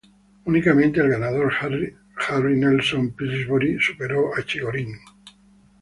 Únicamente el ganador, Harry Nelson Pillsbury, superó a Chigorin.